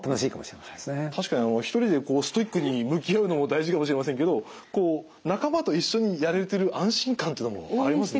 確かに１人でストイックに向き合うのも大事かもしれませんけどこう仲間と一緒にやれてる安心感というのもありますね。